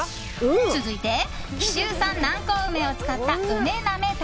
続いては紀州産南高梅を使った梅なめ茸。